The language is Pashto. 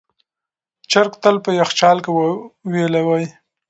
چرګ تل په یخچال کې ویلوئ.